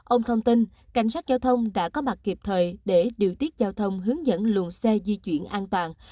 ông thông tin cảnh sát giao thông đã có mặt kịp thời để điều tiết giao thông hướng dẫn luồng xe di chuyển an toàn